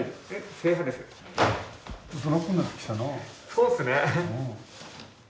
そうですね。